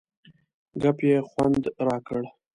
ګپ یې خوند را کړ.